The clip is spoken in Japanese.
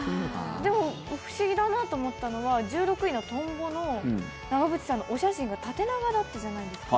でも不思議だなと思ったのは１６位の「とんぼ」の長渕さんのお写真が縦長だったじゃないですか。